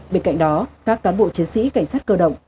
bên cạnh đó các cán bộ chiến sĩ cảnh sát cơ động